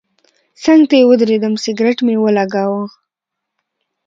څنګ ته یې ودرېدم سګرټ مې ولګاوه.